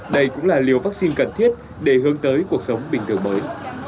đây cũng là liều vaccine cần thiết để hướng tới cuộc sống bình thường mới